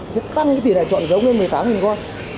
thế tăng cái tiền lại chọn giống lên một mươi tám con